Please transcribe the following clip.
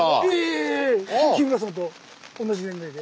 日村さんと同じ年代で。